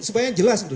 supaya jelas gitu